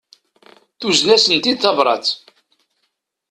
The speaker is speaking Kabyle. Tuzen-asent-id tabrat.